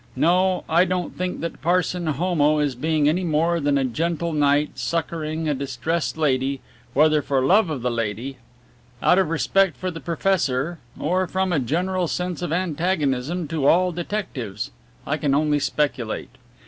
"No, I don't think that Parson Homo is being any more than a gentle knight succouring a distressed lady, whether for love of the lady, out of respect for the professor or from a general sense of antagonism to all detectives, I can only speculate.